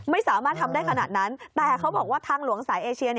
ไม่สามารถทำได้ขนาดนั้นแต่เขาบอกว่าทางหลวงสายเอเชีย